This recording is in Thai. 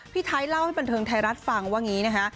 พี่ไทยเล่าให้บันเทิงไทยรัฐฟังว่าอย่างนี้นะคะ